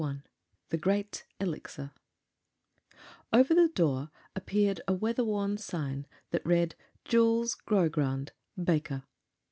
] The Great Elixir Over the door appeared a weather worn sign that read: "JULES GROGRANDE, BAKER."